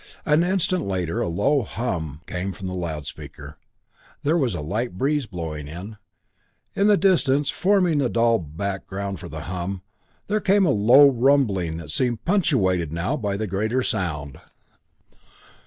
An instant later a low hum came from the loudspeaker. There was a light breeze blowing. In the distance, forming a dull background for the hum, there came a low rumbling that seemed punctuated now and then by a greater sound.